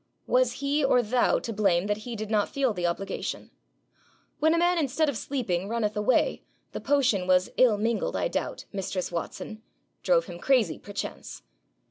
'Was he or thou to blame that he did not feel the obligation? When a man instead of sleeping runneth away, the potion was ill mingled, I doubt, mistress Watson drove him crazy perchance.'